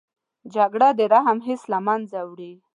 جګړه د رحم حس له منځه وړي